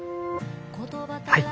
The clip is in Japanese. はい！